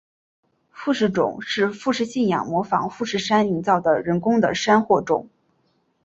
富士冢是富士信仰模仿富士山营造的人工的山或冢。